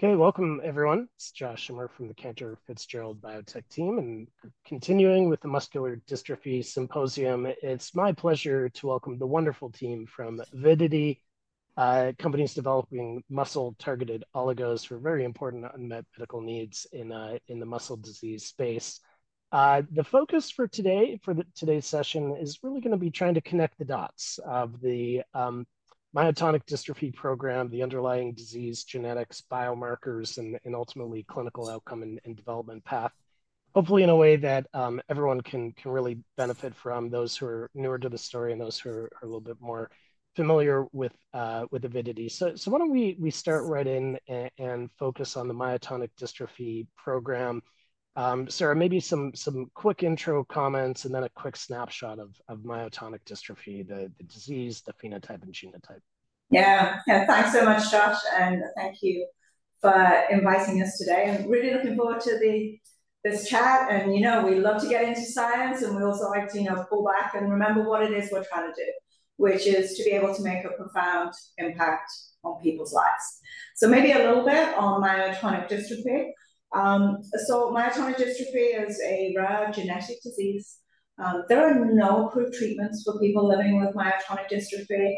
Okay, welcome everyone. It's Josh, and we're from the Cantor Fitzgerald Biotech team, and continuing with the muscular dystrophy symposium, it's my pleasure to welcome the wonderful team from Avidity, a company that's developing muscle-targeted oligos for very important unmet medical needs in the muscle disease space. The focus for today's session is really going to be trying to connect the dots of the myotonic dystrophy program, the underlying disease genetics, biomarkers, and ultimately clinical outcome and development path, hopefully in a way that everyone can really benefit from, those who are newer to the story and those who are a little bit more familiar with Avidity. Why don't we start right in and focus on the myotonic dystrophy program. Sarah, maybe some quick intro comments and then a quick snapshot of myotonic dystrophy, the disease, the phenotype, and genotype. Yeah, yeah, thanks so much, Josh, and thank you for inviting us today. I'm really looking forward to this chat, and we love to get into science, and we also like to pull back and remember what it is we're trying to do, which is to be able to make a profound impact on people's lives. So maybe a little bit on myotonic dystrophy. So myotonic dystrophy is a rare genetic disease. There are no approved treatments for people living with myotonic dystrophy.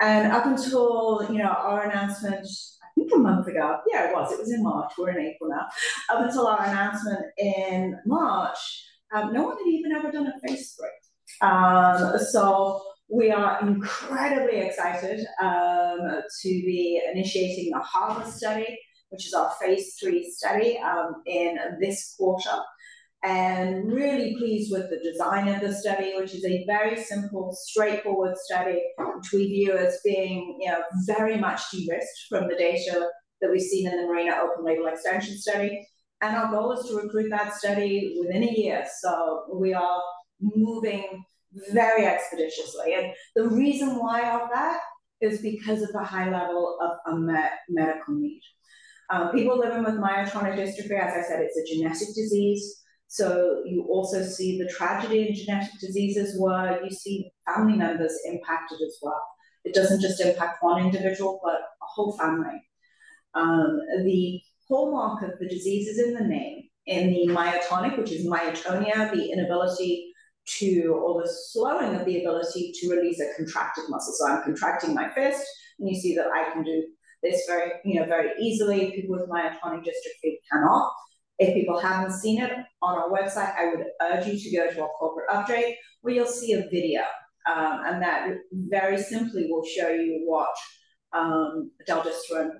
And up until our announcement, I think a month ago, yeah, it was, it was in March. We're in April now, up until our announcement in March, no one had even ever done a phase III. We are incredibly excited to be initiating the HARVEST study, which is our phase III study in this quarter, and really pleased with the design of the study, which is a very simple, straightforward study, which we view as being very much de-risked from the data that we've seen in the MARINA Open-Label Extension study. Our goal is to recruit that study within a year, so we are moving very expeditiously. The reason why of that is because of the high level of unmet medical need. People living with myotonic dystrophy, as I said, it's a genetic disease. You also see the tragedy in genetic diseases where you see family members impacted as well. It doesn't just impact one individual, but a whole family. The hallmark of the disease is in the name, in the myotonic, which is myotonia, the inability to, or the slowing of, the ability to release a contracted muscle. So I'm contracting my fist, and you see that I can do this very easily. People with myotonic dystrophy cannot. If people haven't seen it on our website, I would urge you to go to our corporate update where you'll see a video, and that very simply will show you what del-desiran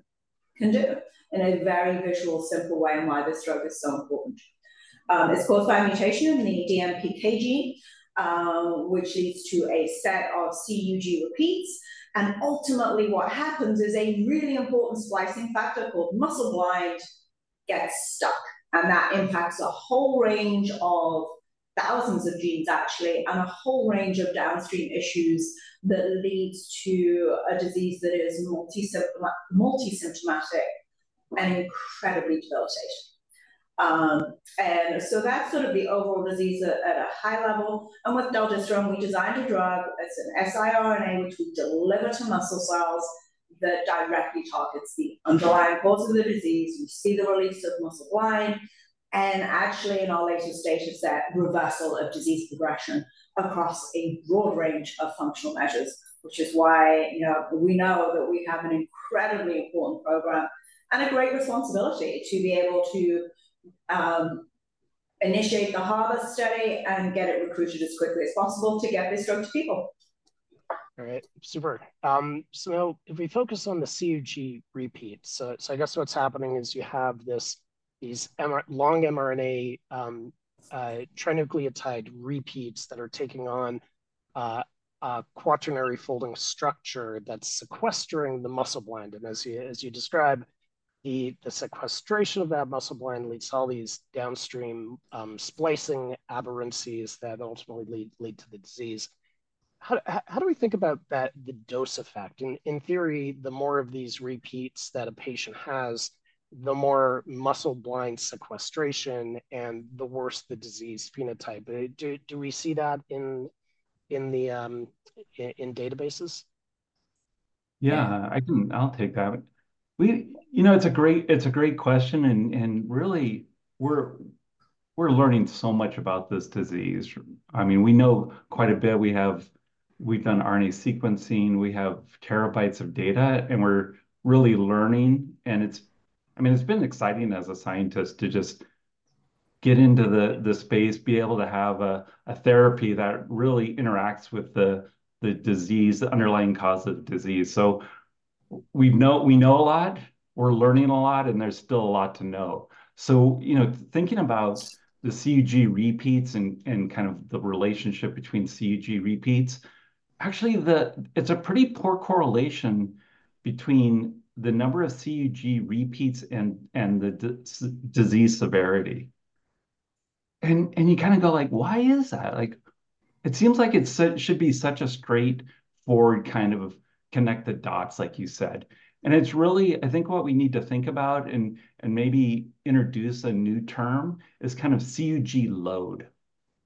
can do in a very visual, simple way and why this drug is so important. It's caused by a mutation in the DMPK gene, which leads to a set of CUG repeats. Ultimately, what happens is a really important splicing factor called muscleblind, gets stuck, and that impacts a whole range of thousands of genes, actually, and a whole range of downstream issues that leads to a disease that is multisymptomatic and incredibly debilitating. So that's sort of the overall disease at a high level. With del-desiran, we designed a drug. It's an siRNA, which we deliver to muscle cells that directly targets the underlying causes of disease. We see the release of muscleblind, and actually, in our latest data set, reversal of disease progression across a broad range of functional measures, which is why we know that we have an incredibly important program and a great responsibility to be able to initiate the HARBOR study and get it recruited as quickly as possible to get this drug to people. All right, super. If we focus on the CUG repeats, I guess what's happening is you have these long mRNA trinucleotide repeats that are taking on a quaternary folding structure that's sequestering the muscleblind. As you describe, the sequestration of that muscleblind leads to all these downstream splicing aberrancies that ultimately lead to the disease. How do we think about the dose effect? In theory, the more of these repeats that a patient has, the more muscleblind sequestration and the worse the disease phenotype. Do we see that in databases? Yeah, I'll take that. It's a great question, and really, we're learning so much about this disease. I mean, we know quite a bit. We've done RNA sequencing. We have terabytes of data, and we're really learning. And I mean, it's been exciting as a scientist to just get into the space, be able to have a therapy that really interacts with the underlying cause of disease. So we know a lot. We're learning a lot, and there's still a lot to know. So thinking about the CUG repeats and kind of the relationship between CUG repeats, actually, it's a pretty poor correlation between the number of CUG repeats and the disease severity. And you kind of go like, "Why is that?" It seems like it should be such a straightforward kind of connect the dots, like you said. It's really, I think, what we need to think about and maybe introduce a new term is kind of CUG load.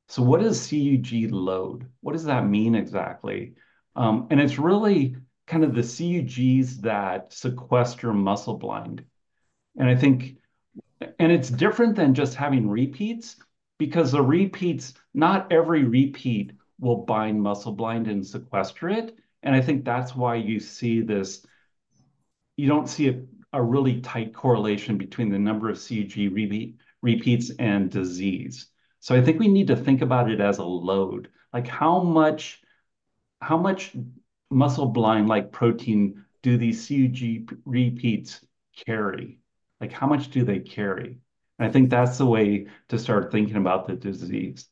So what is CUG load? What does that mean exactly? It's really kind of the CUGs that sequester muscleblind. It's different than just having repeats because not every repeat will bind muscleblind and sequester it. I think that's why you don't see a really tight correlation between the number of CUG repeats and disease. So I think we need to think about it as a load. How much muscleblind-like protein do these CUG repeats carry? How much do they carry? I think that's the way to start thinking about the disease.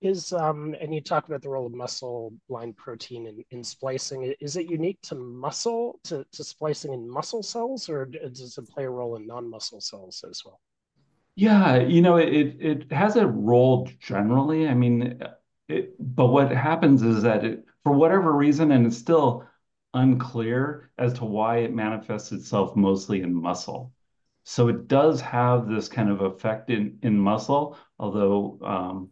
You talked about the role of muscleblind-like protein in splicing. Is it unique to splicing in muscle cells, or does it play a role in non-muscle cells as well? Yeah, it has a role generally. I mean, but what happens is that, for whatever reason, and it's still unclear as to why it manifests itself mostly in muscle. So it does have this kind of effect in muscle, although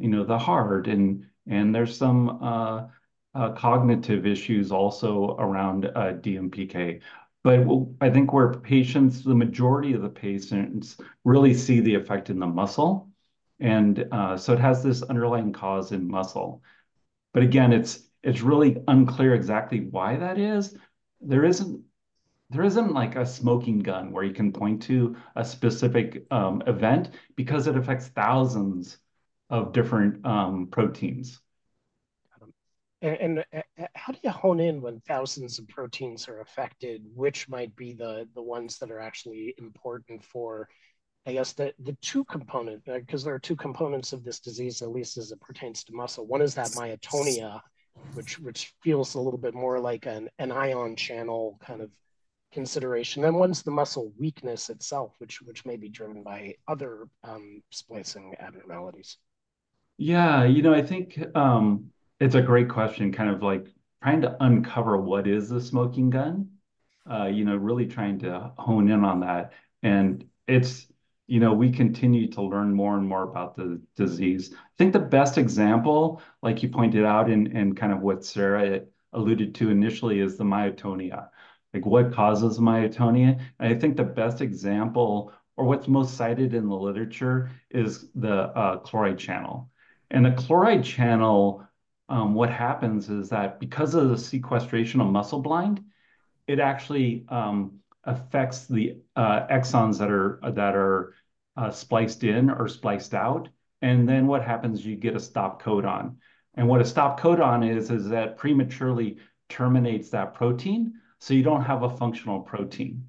the heart, and there's some cognitive issues also around DMPK. But I think the majority of the patients really see the effect in the muscle. And so it has this underlying cause in muscle. But again, it's really unclear exactly why that is. There isn't a smoking gun where you can point to a specific event because it affects thousands of different proteins. Got it. And how do you hone in when thousands of proteins are affected? Which might be the ones that are actually important for, I guess, the two components? Because there are two components of this disease, at least as it pertains to muscle. One is that myotonia, which feels a little bit more like an ion channel kind of consideration. Then one's the muscle weakness itself, which may be driven by other splicing abnormalities. Yeah, I think it's a great question, kind of trying to uncover what is the smoking gun, really trying to hone in on that. And we continue to learn more and more about the disease. I think the best example, like you pointed out, and kind of what Sarah alluded to initially, is the myotonia. What causes myotonia? I think the best example, or what's most cited in the literature, is the chloride channel. And the chloride channel, what happens is that because of the sequestration of muscleblind, it actually affects the exons that are spliced in or spliced out. And then what happens? You get a stop codon. And what a stop codon is, is that it prematurely terminates that protein, so you don't have a functional protein.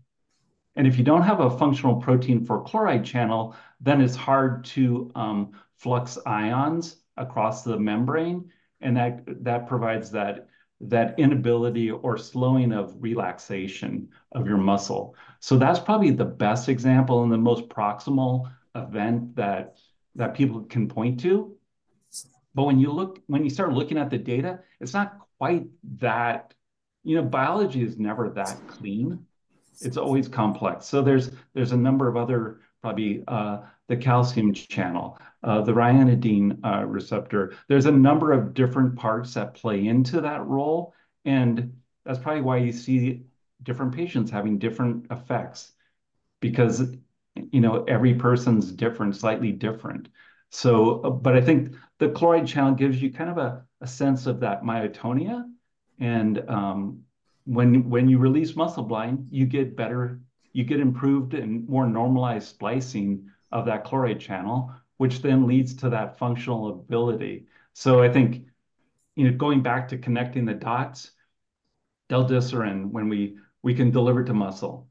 And if you don't have a functional protein for chloride channel, then it's hard to flux ions across the membrane, and that provides that inability or slowing of relaxation of your muscle. So that's probably the best example and the most proximal event that people can point to. But when you start looking at the data, it's not quite that biology is never that clean. It's always complex. So there's a number of other, probably the calcium channel, the ryanodine receptor, there's a number of different parts that play into that role. And that's probably why you see different patients having different effects, because every person's slightly different. But I think the chloride channel gives you kind of a sense of that myotonia. And when you release Muscleblind, you get improved and more normalized splicing of that chloride channel, which then leads to that functional ability. So I think going back to connecting the dots, del-desiran, when we can deliver to muscle,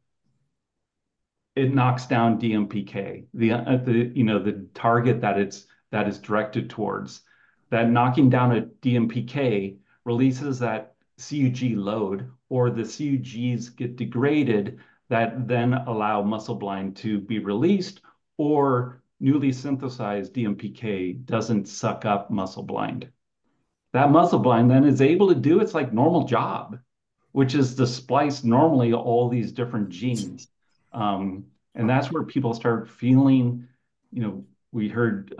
it knocks down DMPK, the target that it's directed towards. That knocking down a DMPK releases that CUG load, or the CUGs get degraded that then allow muscleblind to be released, or newly synthesized DMPK doesn't suck up muscleblind. That muscleblind then is able to do its normal job, which is to splice normally all these different genes. And that's where people start feeling—we heard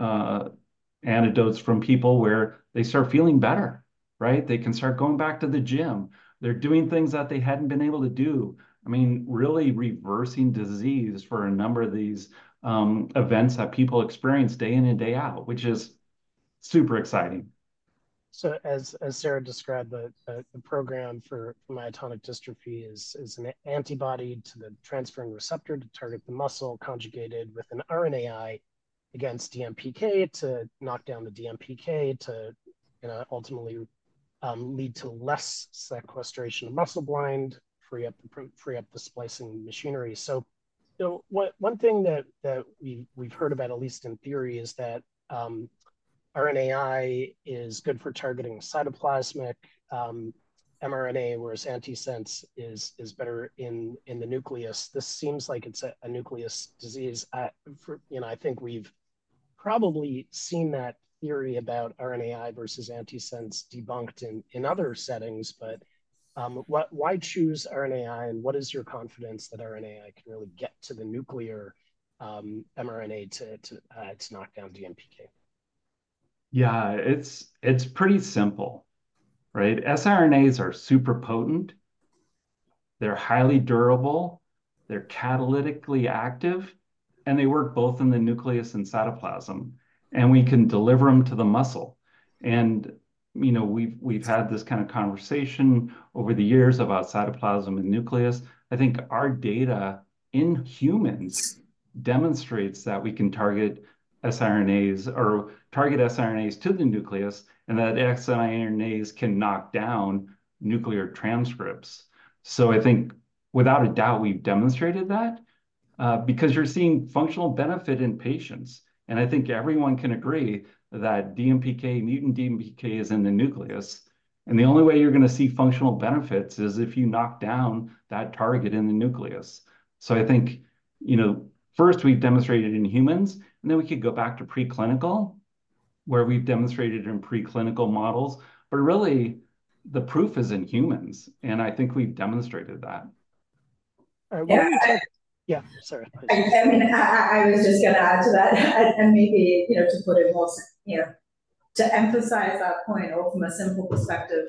anecdotes from people where they start feeling better, right? They can start going back to the gym. They're doing things that they hadn't been able to do. I mean, really reversing disease for a number of these events that people experience day in and day out, which is super exciting. So as Sarah described, the program for myotonic dystrophy is an antibody to the transferrin receptor to target the muscle, conjugated with an RNAi against DMPK to knock down the DMPK to ultimately lead to less sequestration of muscleblind, free up the splicing machinery. So one thing that we've heard about, at least in theory, is that RNAi is good for targeting cytoplasmic mRNA, whereas antisense is better in the nucleus. This seems like it's a nucleus disease. I think we've probably seen that theory about RNAi versus antisense debunked in other settings. But why choose RNAi, and what is your confidence that RNAi can really get to the nuclear mRNA to knock down DMPK? Yeah, it's pretty simple, right? siRNAs are super potent. They're highly durable. They're catalytically active, and they work both in the nucleus and cytoplasm. And we can deliver them to the muscle. And we've had this kind of conversation over the years about cytoplasm and nucleus. I think our data in humans demonstrates that we can target siRNAs or target siRNAs to the nucleus, and that siRNAs can knock down nuclear transcripts. So I think, without a doubt, we've demonstrated that because you're seeing functional benefit in patients. And I think everyone can agree that mutant DMPK is in the nucleus. And the only way you're going to see functional benefits is if you knock down that target in the nucleus. So I think, first, we've demonstrated in humans, and then we could go back to preclinical where we've demonstrated in preclinical models. But really, the proof is in humans, and I think we've demonstrated that. All right. Yeah, sorry. I mean, I was just going to add to that, and maybe to put it more, yeah, to emphasize that point from a simple perspective,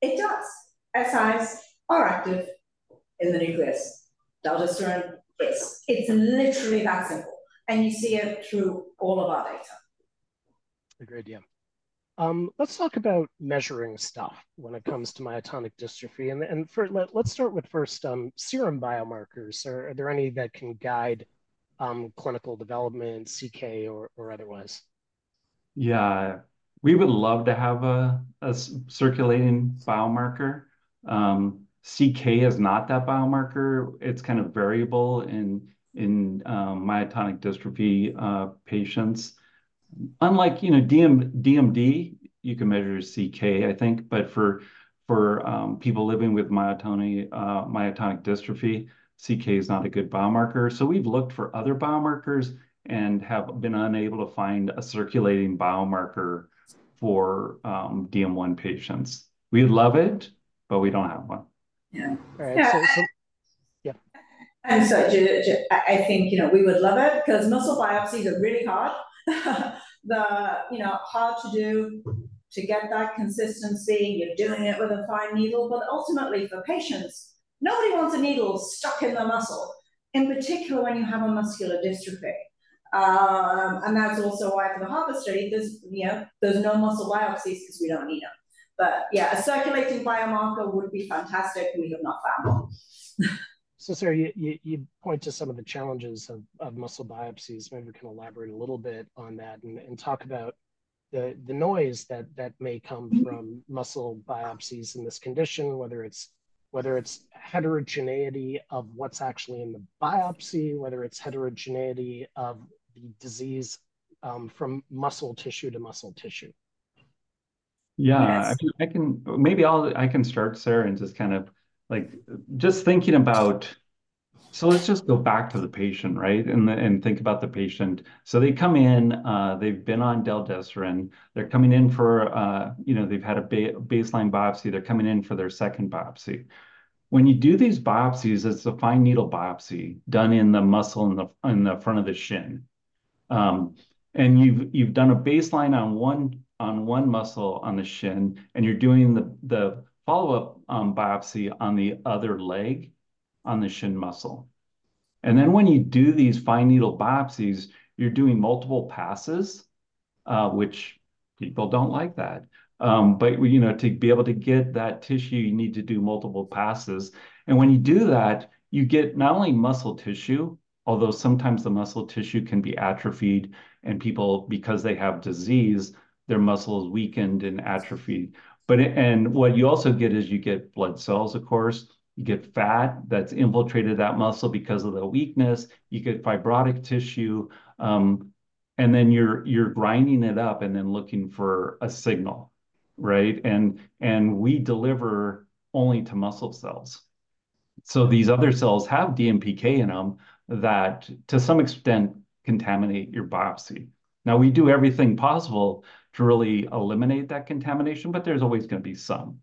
it does. siRNAs are active in the nucleus. del-desiran, yes, it's literally that simple. And you see it through all of our data. Agreed, yeah. Let's talk about measuring stuff when it comes to myotonic dystrophy. Let's start with first serum biomarkers. Are there any that can guide clinical development, CK, or otherwise? Yeah, we would love to have a circulating biomarker. CK is not that biomarker. It's kind of variable in myotonic dystrophy patients. Unlike DMD, you can measure CK, I think. But for people living with myotonic dystrophy, CK is not a good biomarker. So we've looked for other biomarkers and have been unable to find a circulating biomarker for DM1 patients. We'd love it, but we don't have one. Yeah. All right. So. Yeah. I'm sorry. I think we would love it because muscle biopsies are really hard, hard to do to get that consistency. You're doing it with a fine needle. But ultimately, for patients, nobody wants a needle stuck in the muscle, in particular when you have a muscular dystrophy. And that's also why, for the HARBOR study, there's no muscle biopsies because we don't need them. But yeah, a circulating biomarker would be fantastic, and we have not found one. Sarah, you point to some of the challenges of muscle biopsies. Maybe we can elaborate a little bit on that and talk about the noise that may come from muscle biopsies in this condition, whether it's heterogeneity of what's actually in the biopsy, whether it's heterogeneity of the disease from muscle tissue to muscle tissue. Yeah, maybe I can start, Sarah, and just kind of just thinking about—so let's just go back to the patient, right, and think about the patient. So they come in. They've been on del-desiran. They're coming in for—they've had a baseline biopsy. They're coming in for their second biopsy. When you do these biopsies, it's a fine needle biopsy done in the muscle in the front of the shin. And you've done a baseline on one muscle on the shin, and you're doing the follow-up biopsy on the other leg on the shin muscle. And then when you do these fine needle biopsies, you're doing multiple passes, which people don't like that. But to be able to get that tissue, you need to do multiple passes. When you do that, you get not only muscle tissue, although sometimes the muscle tissue can be atrophied, and people, because they have disease, their muscle is weakened and atrophied. What you also get is you get blood cells, of course. You get fat that's infiltrated that muscle because of the weakness. You get fibrotic tissue. Then you're grinding it up and then looking for a signal, right? We deliver only to muscle cells. So these other cells have DMPK in them that, to some extent, contaminate your biopsy. Now, we do everything possible to really eliminate that contamination, but there's always going to be some.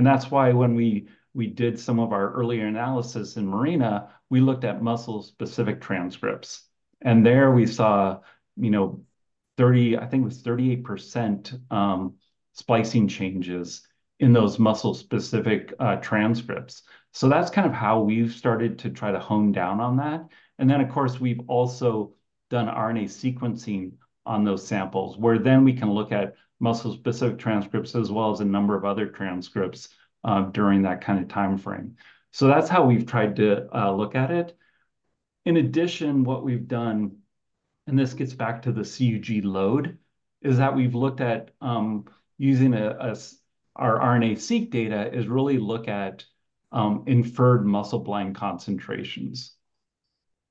That's why, when we did some of our earlier analysis in MARINA, we looked at muscle-specific transcripts. And there, we saw 30 (I think it was 38%) splicing changes in those muscle-specific transcripts. So that's kind of how we've started to try to hone down on that. And then, of course, we've also done RNA sequencing on those samples, where then we can look at muscle-specific transcripts as well as a number of other transcripts during that kind of timeframe. So that's how we've tried to look at it. In addition, what we've done, and this gets back to the CUG load, is that we've looked at using our RNA-seq data to really look at inferred MBNL concentrations,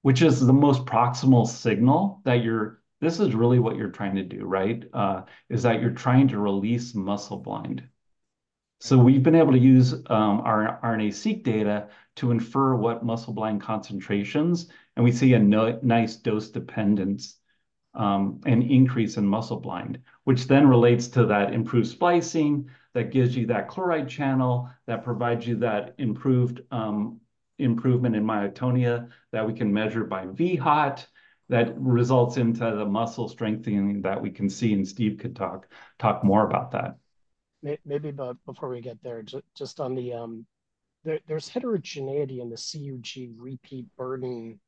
which is the most proximal signal that you're, this is really what you're trying to do, right, is that you're trying to release MBNL. So we've been able to use our RNA-seq data to infer what MBNL concentrations. We see a nice dose dependence and increase in muscleblind, which then relates to that improved splicing that gives you that chloride channel, that provides you that improvement in myotonia that we can measure by vHOT that results into the muscle strengthening that we can see. Steve could talk more about that. Maybe before we get there, just on the, there's heterogeneity in the CUG repeat burden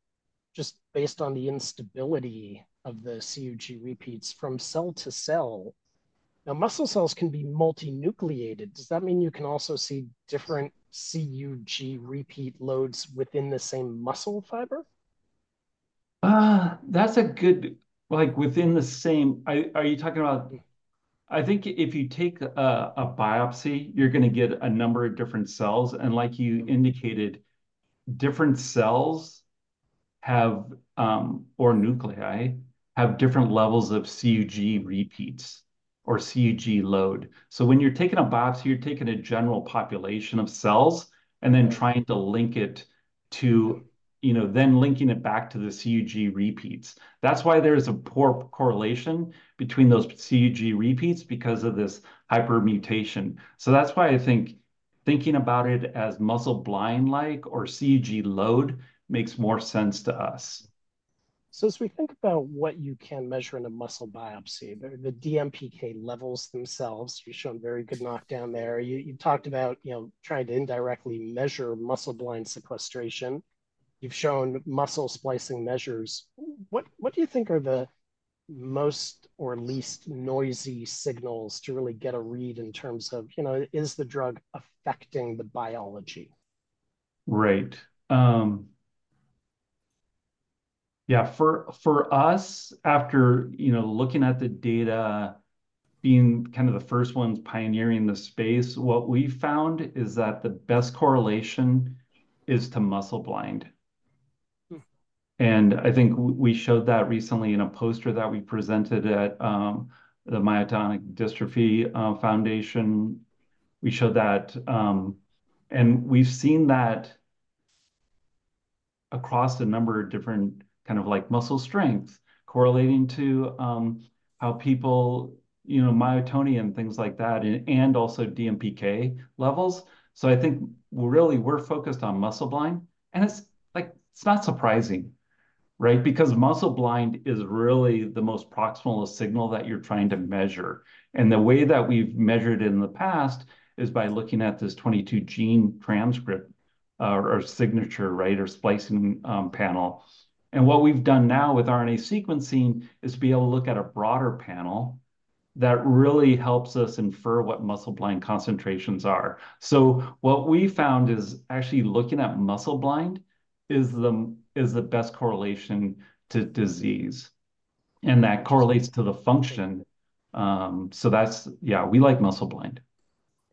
just based on the instability of the CUG repeats from cell to cell. Now, muscle cells can be multinucleated. Does that mean you can also see different CUG repeat loads within the same muscle fiber? I think if you take a biopsy, you're going to get a number of different cells. And like you indicated, different cells or nuclei have different levels of CUG repeats or CUG load. So when you're taking a biopsy, you're taking a general population of cells and then trying to link it to then linking it back to the CUG repeats. That's why there is a poor correlation between those CUG repeats because of this hypermutation. So that's why I think thinking about it as MBNL-like or CUG load makes more sense to us. As we think about what you can measure in a muscle biopsy, the DMPK levels themselves, you've shown very good knockdown there. You talked about trying to indirectly measure MBNL sequestration. You've shown muscle splicing measures. What do you think are the most or least noisy signals to really get a read in terms of, is the drug affecting the biology? Right. Yeah, for us, after looking at the data, being kind of the first ones pioneering the space, what we found is that the best correlation is to muscleblind. And I think we showed that recently in a poster that we presented at the Myotonic Dystrophy Foundation. We showed that. And we've seen that across a number of different kind of muscle strengths correlating to how people, myotonia and things like that, and also DMPK levels. So I think, really, we're focused on muscleblind. And it's not surprising, right, because muscleblind is really the most proximal signal that you're trying to measure. And the way that we've measured it in the past is by looking at this 22-gene transcript or signature, right, or splicing panel. What we've done now with RNA sequencing is be able to look at a broader panel that really helps us infer what muscleblind concentrations are. What we found is, actually, looking at muscleblind is the best correlation to disease. That correlates to the function. Yeah, we like muscleblind.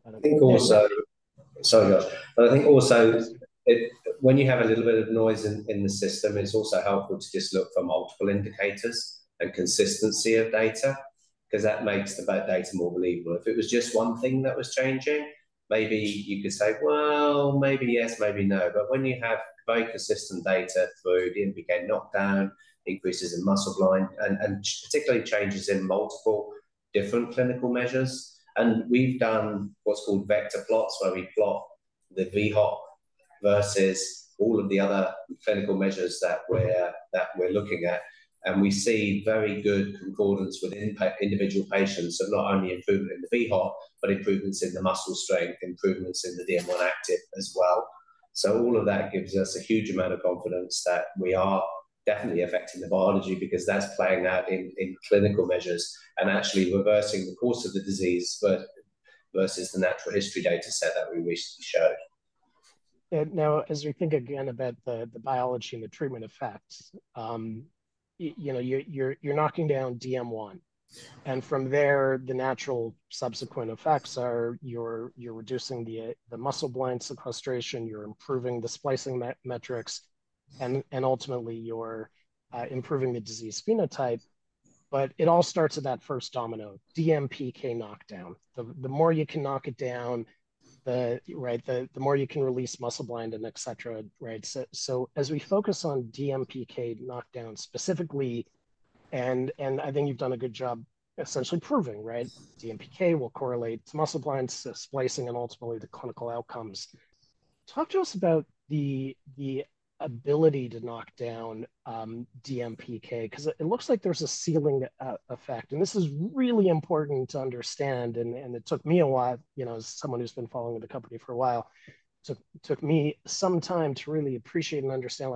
I think also, sorry, Josh, but I think also, when you have a little bit of noise in the system, it's also helpful to just look for multiple indicators and consistency of data because that makes the data more believable. If it was just one thing that was changing, maybe you could say, "Well, maybe yes, maybe no." But when you have very consistent data through DMPK knockdown, increases in muscleblind, and particularly changes in multiple different clinical measures, and we've done what's called vector plots where we plot the vHOT versus all of the other clinical measures that we're looking at, and we see very good concordance with individual patients, so not only improvement in the vHOT but improvements in the muscle strength, improvements in the DM1-Activ as well. All of that gives us a huge amount of confidence that we are definitely affecting the biology because that's playing out in clinical measures and actually reversing the course of the disease versus the natural history dataset that we recently showed. Now, as we think again about the biology and the treatment effects, you're knocking down DM1. And from there, the natural subsequent effects are you're reducing the MBNL sequestration, you're improving the splicing metrics, and ultimately, you're improving the disease phenotype. But it all starts at that first domino, DMPK knockdown. The more you can knock it down, right, the more you can release MBNL, etc., right? So as we focus on DMPK knockdown specifically, and I think you've done a good job essentially proving, right, DMPK will correlate to MBNL, splicing, and ultimately the clinical outcomes, talk to us about the ability to knock down DMPK because it looks like there's a ceiling effect. And this is really important to understand. It took me a while, as someone who's been following the company for a while, it took me some time to really appreciate and understand,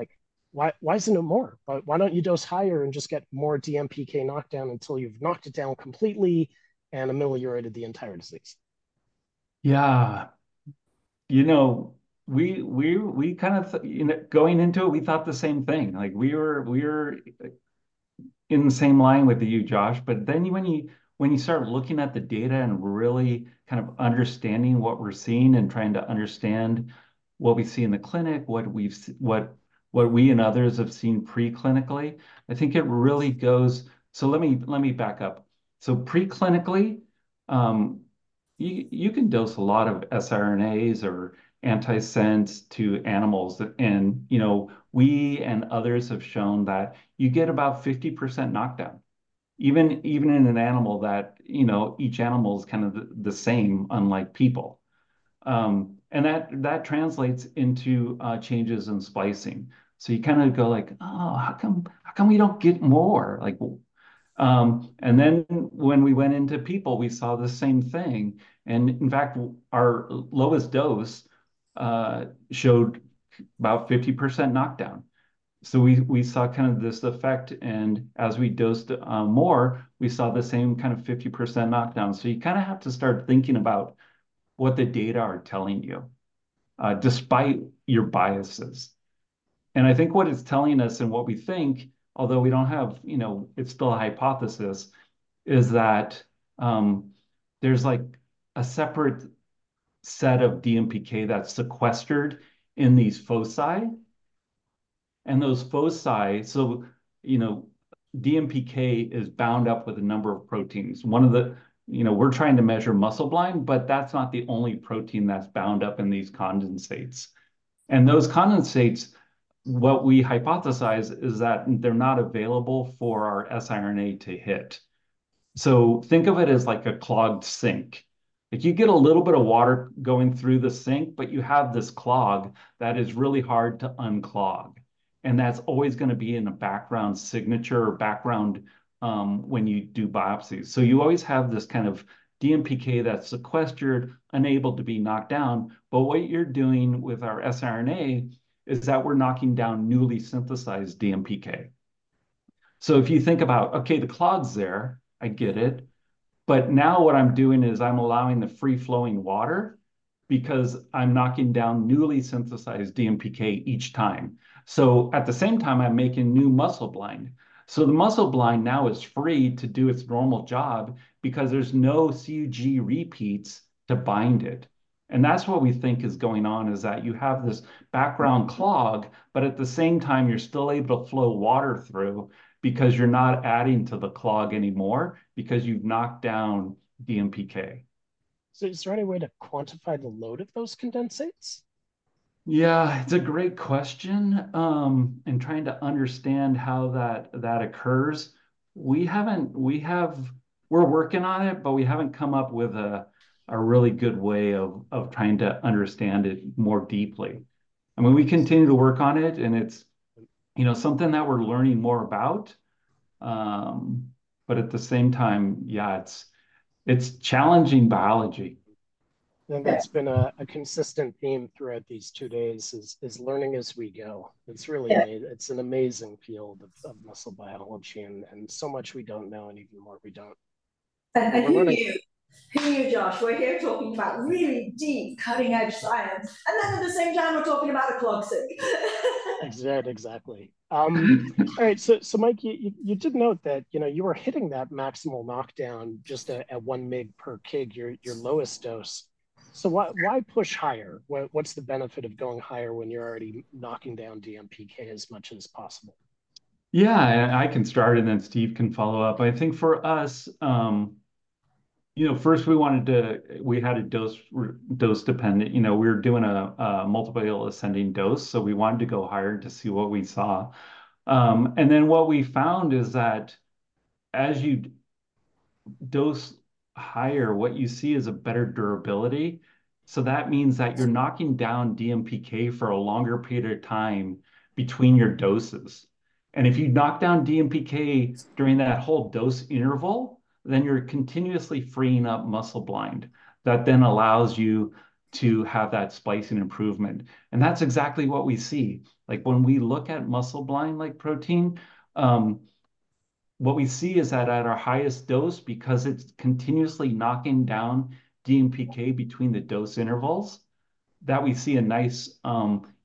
"Why isn't it more? Why don't you dose higher and just get more DMPK knockdown until you've knocked it down completely and ameliorated the entire disease? Yeah. We kind of thought, going into it, we thought the same thing. We were in the same line with you, Josh. But then when you start looking at the data and really kind of understanding what we're seeing and trying to understand what we see in the clinic, what we and others have seen preclinically, I think it really goes, so let me back up. So preclinically, you can dose a lot of siRNAs or antisense to animals. And we and others have shown that you get about 50% knockdown, even in an animal that each animal is kind of the same, unlike people. And that translates into changes in splicing. So you kind of go like, "Oh, how come we don't get more?" And then when we went into people, we saw the same thing. And in fact, our lowest dose showed about 50% knockdown. So we saw kind of this effect. As we dosed more, we saw the same kind of 50% knockdown. You kind of have to start thinking about what the data are telling you despite your biases. I think what it's telling us and what we think, although we don't have, it's still a hypothesis, is that there's a separate set of DMPK that's sequestered in these foci. Those foci, so DMPK is bound up with a number of proteins. One of the, we're trying to measure muscleblind, but that's not the only protein that's bound up in these condensates. Those condensates, what we hypothesize is that they're not available for our siRNA to hit. So think of it as a clogged sink. You get a little bit of water going through the sink, but you have this clog that is really hard to unclog. That's always going to be in a background signature or background when you do biopsies. So you always have this kind of DMPK that's sequestered, unable to be knocked down. But what you're doing with our siRNA is that we're knocking down newly synthesized DMPK. So if you think about, "Okay, the clog's there. I get it." But now what I'm doing is I'm allowing the free-flowing water because I'm knocking down newly synthesized DMPK each time. So at the same time, I'm making new MBNL. So the MBNL now is free to do its normal job because there's no CUG repeats to bind it. And that's what we think is going on, is that you have this background clog, but at the same time, you're still able to flow water through because you're not adding to the clog anymore because you've knocked down DMPK. Is there any way to quantify the load of those condensates? Yeah, it's a great question, and trying to understand how that occurs. We're working on it, but we haven't come up with a really good way of trying to understand it more deeply. I mean, we continue to work on it, and it's something that we're learning more about. But at the same time, yeah, it's challenging biology. That's been a consistent theme throughout these two days, is learning as we go. It's an amazing field of muscle biology, and so much we don't know, and even more we don't. I think you. Who are you, Josh? We're here talking about really deep, cutting-edge science. Then at the same time, we're talking about a clogged sink. Exactly. All right. So Mike, you did note that you were hitting that maximal knockdown just at 1 mg per kg, your lowest dose. So why push higher? What's the benefit of going higher when you're already knocking down DMPK as much as possible? Yeah, I can start, and then Steve can follow up. I think for us, first, we wanted to—we had a dose-dependent—we were doing a multiple ascending dose. So we wanted to go higher to see what we saw. And then what we found is that as you dose higher, what you see is a better durability. So that means that you're knocking down DMPK for a longer period of time between your doses. And if you knock down DMPK during that whole dose interval, then you're continuously freeing up MBNL. That then allows you to have that splicing improvement. And that's exactly what we see. When we look at muscleblind-like protein, what we see is that at our highest dose, because it's continuously knocking down DMPK between the dose intervals, that we see a nice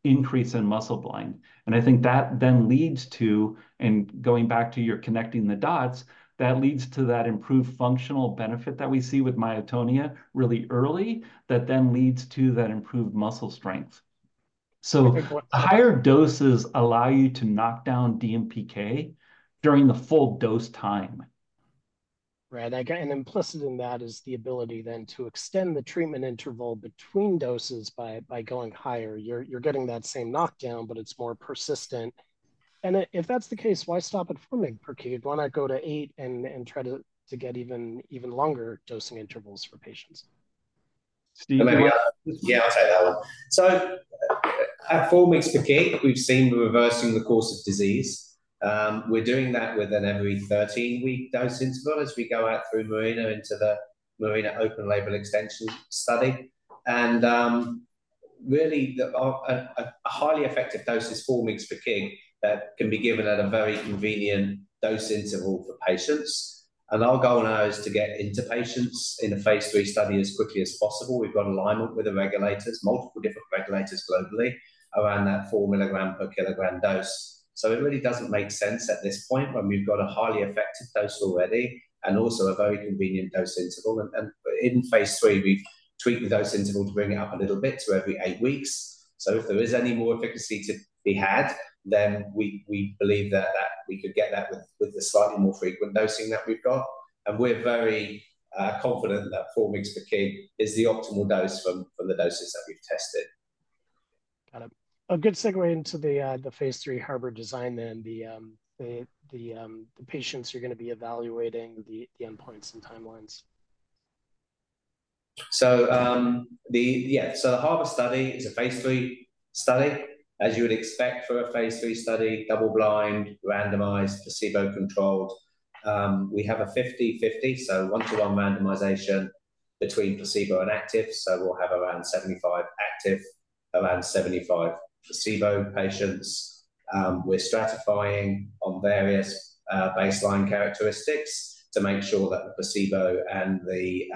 increase in MBNL. I think that then leads to (and going back to your connecting the dots) that leads to that improved functional benefit that we see with myotonia really early, that then leads to that improved muscle strength. Higher doses allow you to knock down DMPK during the full dose time. Right. And implicit in that is the ability then to extend the treatment interval between doses by going higher. You're getting that same knockdown, but it's more persistent. And if that's the case, why stop at 4 mg/kg? Why not go to 8 and try to get even longer dosing intervals for patients? Steve. Yeah, I'll try that one. So at 4 mg per kg, we've seen reversing the course of disease. We're doing that with an every 13-week dose interval as we go out through MARINA into the MARINA open-label extension study. And really, a highly effective dose is 4 mg per kg that can be given at a very convenient dose interval for patients. And our goal now is to get into patients in a phase III study as quickly as possible. We've got alignment with the regulators, multiple different regulators globally, around that 4 mg per kg dose. So it really doesn't make sense at this point when we've got a highly effective dose already and also a very convenient dose interval. And in phase III, we've tweaked the dose interval to bring it up a little bit to every eight weeks. If there is any more efficacy to be had, then we believe that we could get that with the slightly more frequent dosing that we've got. We're very confident that 4 mg/kg is the optimal dose from the doses that we've tested. Got it. A good segue into the phase III HARBOR design then, the patients you're going to be evaluating, the endpoints and timelines. So yeah, so the HARBOR study is a phase III study. As you would expect for a phase III study, double-blind, randomized, placebo-controlled. We have a 50/50, so one-to-one randomization between placebo and active. So we'll have around 75 active, around 75 placebo patients. We're stratifying on various baseline characteristics to make sure that the placebo and the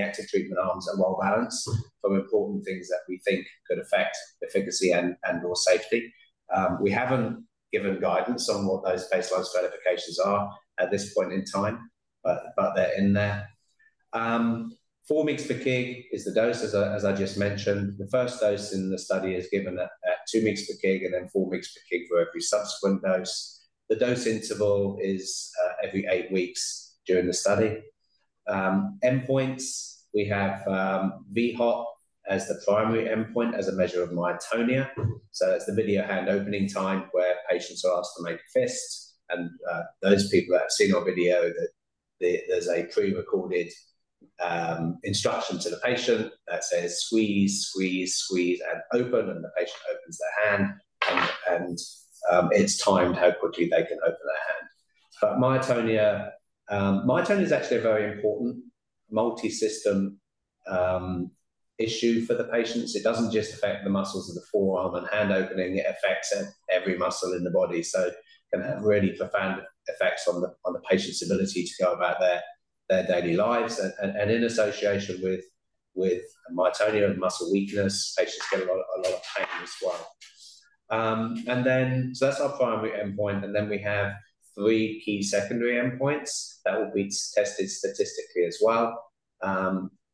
active treatment arms are well balanced for important things that we think could affect efficacy and/or safety. We haven't given guidance on what those baseline stratifications are at this point in time, but they're in there. 4 mg per kg is the dose, as I just mentioned. The first dose in the study is given at 2 mg per kg and then 4 mg per kg for every subsequent dose. The dose interval is every eight weeks during the study. Endpoints, we have vHOT as the primary endpoint as a measure of myotonia. So it's the video hand opening time where patients are asked to make a fist. And those people that have seen our video, there's a prerecorded instruction to the patient that says, "Squeeze, squeeze, squeeze, and open," and the patient opens their hand, and it's timed how quickly they can open their hand. But myotonia is actually a very important multi-system issue for the patients. It doesn't just affect the muscles of the forearm and hand opening. It affects every muscle in the body. So it can have really profound effects on the patient's ability to go about their daily lives. And in association with myotonia and muscle weakness, patients get a lot of pain as well. So that's our primary endpoint. And then we have three key secondary endpoints that will be tested statistically as well.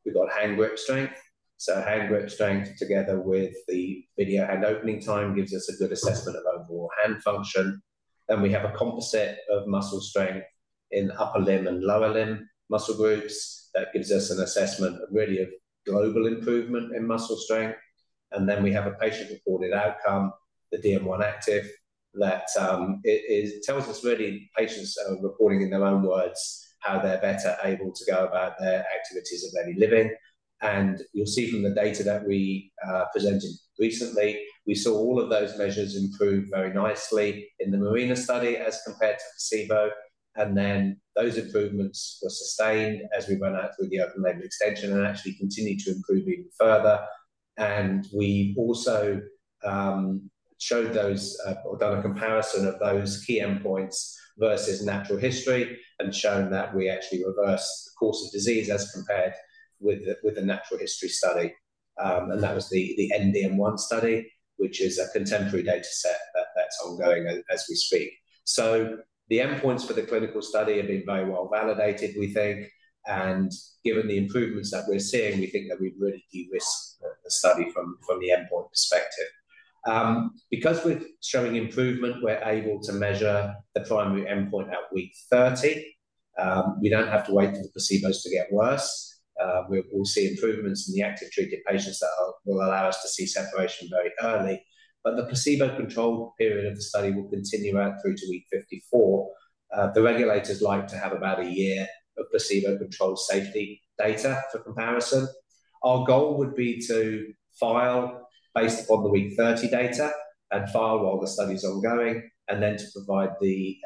We've got hand grip strength. So hand grip strength together with the video hand opening time gives us a good assessment of overall hand function. Then we have a composite of muscle strength in upper limb and lower limb muscle groups that gives us an assessment really of global improvement in muscle strength. And then we have a patient-reported outcome, the DM1-Activ, that tells us really patients are reporting in their own words how they're better able to go about their activities of daily living. And you'll see from the data that we presented recently, we saw all of those measures improve very nicely in the MARINA study as compared to placebo. And then those improvements were sustained as we went out through the open-label extension and actually continued to improve even further. We also showed those and done a comparison of those key endpoints versus natural history and shown that we actually reversed the course of disease as compared with the natural history study. That was the END-DM1 study, which is a contemporary dataset that's ongoing as we speak. The endpoints for the clinical study have been very well validated, we think. Given the improvements that we're seeing, we think that we'd really de-risk the study from the endpoint perspective. Because we're showing improvement, we're able to measure the primary endpoint at week 30. We don't have to wait for the placebos to get worse. We'll see improvements in the active treated patients that will allow us to see separation very early. The placebo-controlled period of the study will continue out through to week 54. The regulators like to have about a year of placebo-controlled safety data for comparison. Our goal would be to file based upon the week 30 data and file while the study's ongoing, and then to provide the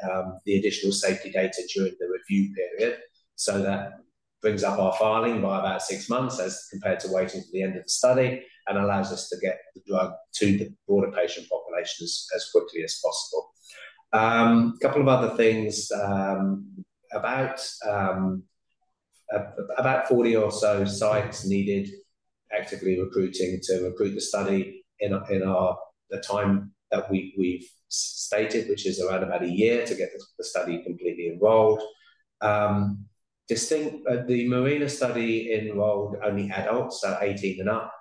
additional safety data during the review period. So that brings up our filing by about six months as compared to waiting for the end of the study and allows us to get the drug to the broader patient population as quickly as possible. A couple of other things about 40 or so sites needed actively recruiting to recruit the study in the time that we've stated, which is around about a year to get the study completely enrolled. The MARINA study enrolled only adults, so 18 and up.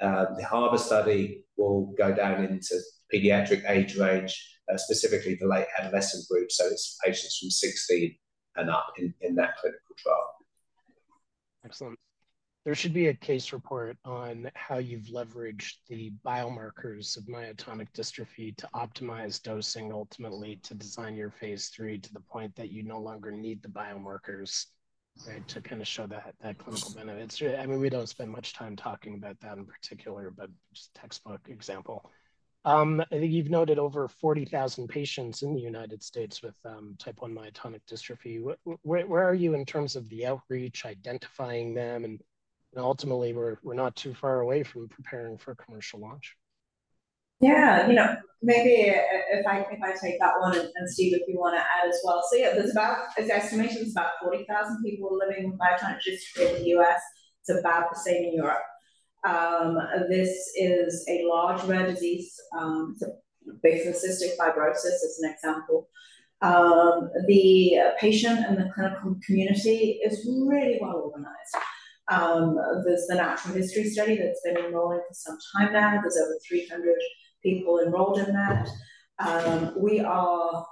The HARBOR study will go down into pediatric age range, specifically the late adolescent group. It's patients from 16 and up in that clinical trial. Excellent. There should be a case report on how you've leveraged the biomarkers of myotonic dystrophy to optimize dosing, ultimately to design your phase III to the point that you no longer need the biomarkers, right, to kind of show that clinical benefit. I mean, we don't spend much time talking about that in particular, but just textbook example. I think you've noted over 40,000 patients in the United States with type 1 myotonic dystrophy. Where are you in terms of the outreach, identifying them? And ultimately, we're not too far away from preparing for commercial launch. Yeah, maybe if I take that one, and Steve, if you want to add as well. So yeah, as the estimation is, about 40,000 people are living with myotonic dystrophy in the U.S. It's about the same in Europe. This is a large rare disease. It's based on cystic fibrosis. It's an example. The patient and the clinical community is really well organized. There's the natural history study that's been enrolling for some time now. There's over 300 people enrolled in that. We are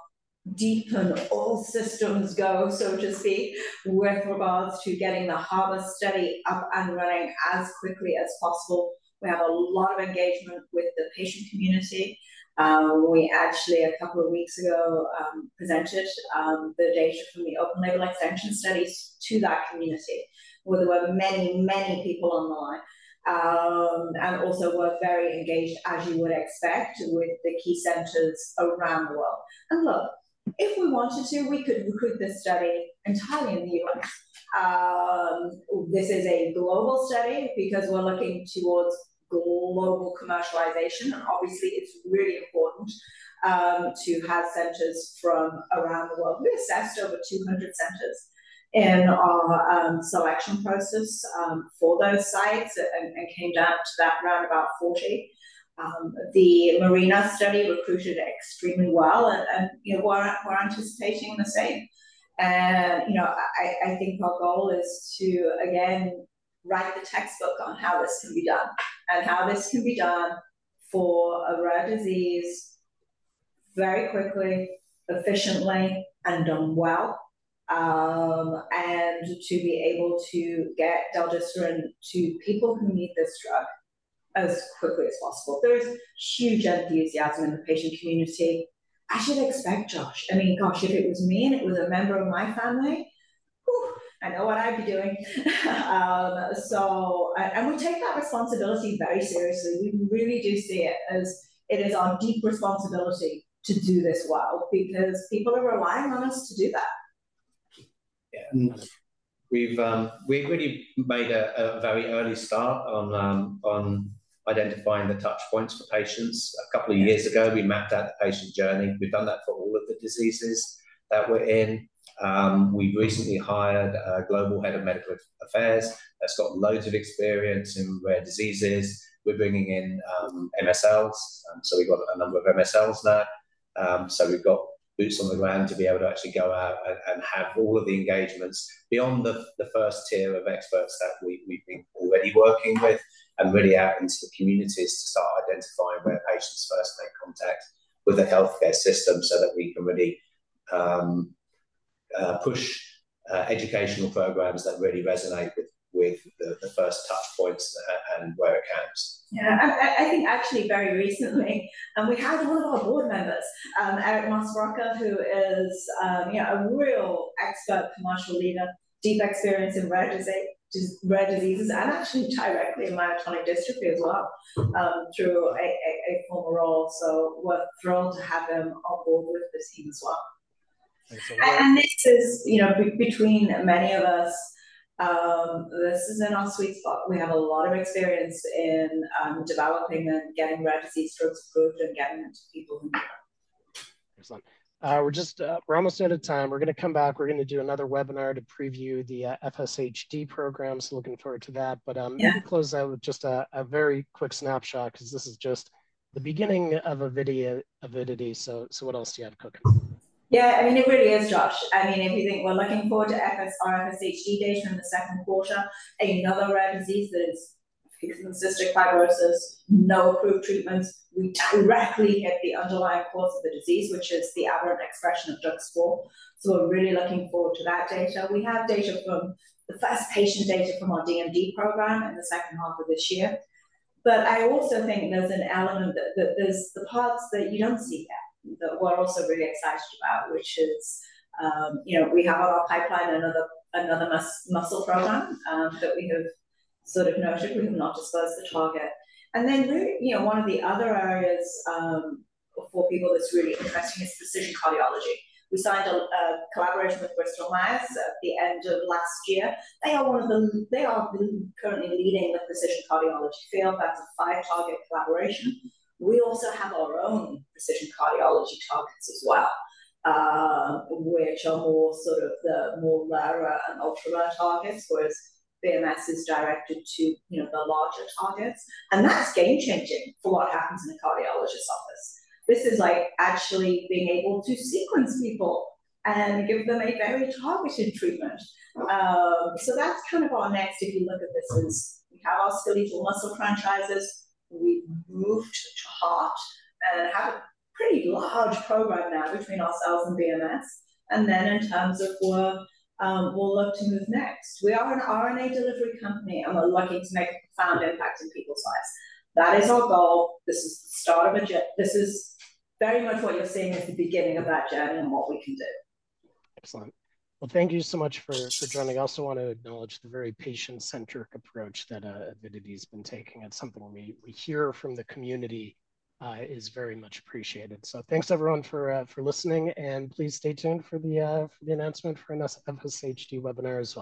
deep in all systems go, so to speak, with regards to getting the HARBOR study up and running as quickly as possible. We have a lot of engagement with the patient community. We actually, a couple of weeks ago, presented the data from the open-label extension studies to that community, where there were many, many people on the line, and also were very engaged, as you would expect, with the key centers around the world. Look, if we wanted to, we could recruit this study entirely in the U.S. This is a global study because we're looking towards global commercialization. Obviously, it's really important to have centers from around the world. We assessed over 200 centers in our selection process for those sites and came down to that around 40. The MARINA study recruited extremely well, and we're anticipating the same. I think our goal is to, again, write the textbook on how this can be done and how this can be done for a rare disease very quickly, efficiently, and done well, and to be able to get del-desiran to people who need this drug as quickly as possible. There's huge enthusiasm in the patient community. As you'd expect, Josh. I mean, gosh, if it was me and it was a member of my family, I know what I'd be doing. We take that responsibility very seriously. We really do see it as it is our deep responsibility to do this well because people are relying on us to do that. Yeah. We've really made a very early start on identifying the touchpoints for patients. A couple of years ago, we mapped out the patient journey. We've done that for all of the diseases that we're in. We've recently hired a global head of medical affairs that's got loads of experience in rare diseases. We're bringing in MSLs. We've got a number of MSLs now. We've got boots on the ground to be able to actually go out and have all of the engagements beyond the first tier of experts that we've been already working with and really out into the communities to start identifying where patients first make contact with the healthcare system so that we can really push educational programs that really resonate with the first touchpoints and where it counts. Yeah. I think actually very recently, we had one of our board members, Eric Mosbrooker, who is a real expert commercial leader, deep experience in rare diseases, and actually directly in myotonic dystrophy as well through a former role. So we're thrilled to have him on board with the team as well. Thanks a lot. This is between many of us, this is in our sweet spot. We have a lot of experience in developing and getting rare disease drugs approved and getting them to people who need them. Excellent. We're almost out of time. We're going to come back. We're going to do another webinar to preview the FSHD programs. Looking forward to that. But I'm going to close out with just a very quick snapshot because this is just the beginning of Avidity. So what else do you have cooking? Yeah. I mean, it really is, Josh. I mean, if you think we're looking forward to our FSHD data in the second quarter, another rare disease that is cystic fibrosis, no approved treatments, we directly hit the underlying cause of the disease, which is the aberrant expression of DUX4. So we're really looking forward to that data. We have data from the first patient data from our DMD program in the second half of this year. But I also think there's an element that there's the parts that you don't see yet that we're also really excited about, which is we have on our pipeline another muscle program that we have sort of noted. We have not disclosed the target. And then one of the other areas for people that's really interesting is precision cardiology. We signed a collaboration with Bristol Myers at the end of last year. They are currently leading the precision cardiology field. That's a 5-target collaboration. We also have our own precision cardiology targets as well, which are more sort of the more rare and ultra-rare targets, whereas BMS is directed to the larger targets. And that's game-changing for what happens in a cardiologist's office. This is actually being able to sequence people and give them a very targeted treatment. So that's kind of our next, if you look at this, is we have our skeletal muscle franchises. We've moved to heart and have a pretty large program now between ourselves and BMS. And then in terms of where we'll look to move next, we are an RNA delivery company, and we're looking to make a profound impact in people's lives. That is our goal. This is the start. This is very much what you're seeing is the beginning of that journey and what we can do. Excellent. Well, thank you so much for joining. I also want to acknowledge the very patient-centric approach that Avidity has been taking. It's something we hear from the community is very much appreciated. So thanks, everyone, for listening, and please stay tuned for the announcement for another FSHD webinar as well.